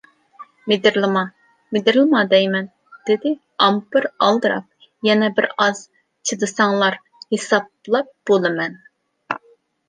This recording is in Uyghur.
-مىدىرلىما، مىدىرلىما دەيمەن! -دېدى ئامپېر ئالدىراپ، -يەنە بىر ئاز چىدىساڭلا ھېسابلاپ بولىمەن!